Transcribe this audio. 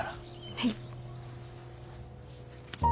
はい。